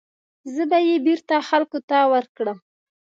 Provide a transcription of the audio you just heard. زه به یې بېرته خلکو ته ورکړم.